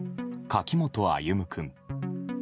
柿本歩夢君。